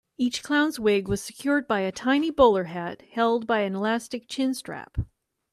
Each clown's wig was secured by a tiny bowler hat held by an elastic chin-strap.